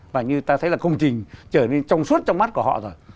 và như ta thấy là công trình trở nên trong suốt trong mắt của họ rồi